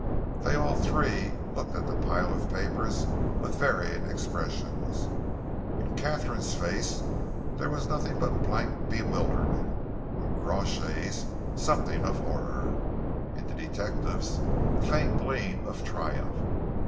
They all three looked at the pile of papers with varying expressions. In Katharine's face there was nothing but blank bewilderment, in Crawshay's something of horror, in the detective's a faint gleam of triumph.